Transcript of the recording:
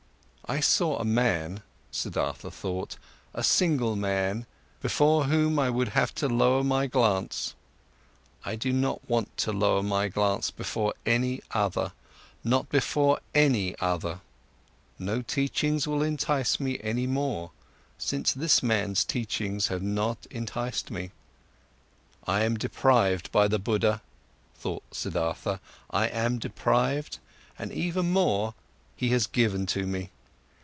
I saw a man, Siddhartha thought, a single man, before whom I would have to lower my glance. I do not want to lower my glance before any other, not before any other. No teachings will entice me any more, since this man's teachings have not enticed me. I am deprived by the Buddha, thought Siddhartha, I am deprived, and even more he has given to me.